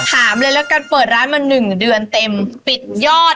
ถามเลยแล้วกันเปิดร้านมาหนึ่งเดือนเต็มอันยอด